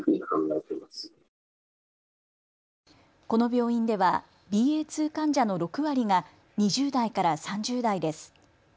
この病院ではＢＡ．２患者の６割が２０代から３０代です。